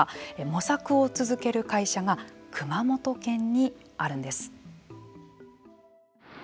模索を続ける会社が熊本県にあるんです。